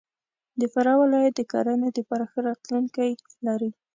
د فراه ولایت د کرهنې دپاره ښه راتلونکی لري.